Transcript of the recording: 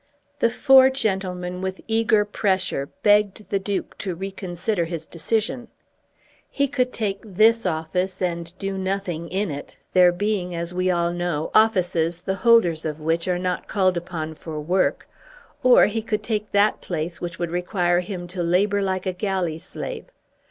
The four gentlemen, with eager pressure, begged the Duke to reconsider his decision. He could take this office and do nothing in it, there being, as we all know, offices the holders of which are not called upon for work, or he could take that place which would require him to labour like a galley slave.